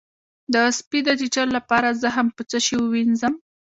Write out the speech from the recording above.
د سپي د چیچلو لپاره زخم په څه شی ووینځم؟